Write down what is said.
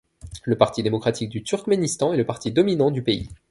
Le Parti démocratique du Turkménistan est le parti dominant du pays.